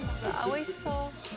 おいしそう！